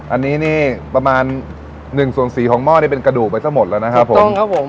อันนี้นี่ประมาณหนึ่งส่วนสีของหม้อนี่เป็นกระดูกไปซะหมดแล้วนะครับผมครับผม